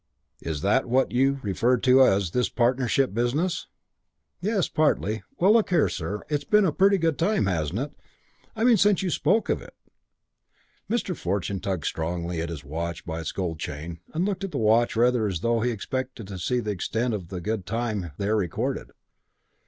Is that what you refer to as 'this partnership business'?" "Yes partly. Well, look here, sir, it's been a pretty good time, hasn't it? I mean since you spoke of it." Mr. Fortune tugged strongly at his watch by its gold chain and looked at the watch rather as though he expected to see the extent of the good time there recorded.